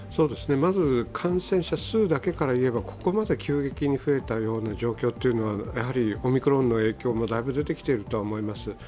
まず感染者数だけいえばここまで急激に増えた状況というのは、オミクロンの影響もだいぶ出てきていると思います。